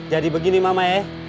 jadi begini mamae